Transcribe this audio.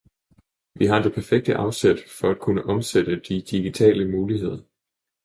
Vi har det perfekte afsæt for at kunne omsætte de digitale muligheder.